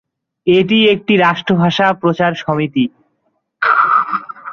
এটিই একটি রাষ্ট্রভাষা প্রচার সমিতি।